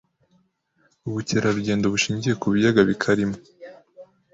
ubukerarugendo bushingiye ku biyaga bikarimo